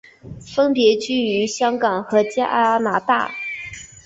分别居于香港和加拿大。